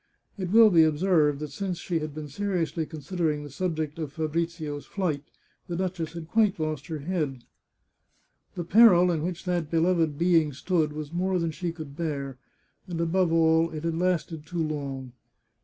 It will be observed that since she had been seriously considering the subject of Fabrizio's flight, the duchess had quite lost her head. The peril in which that beloved being stood was more than she could bear, and above all, it had lasted too long.